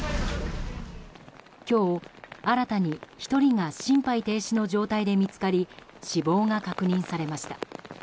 今日新たに１人が心肺停止の状態で見つかり死亡が確認されました。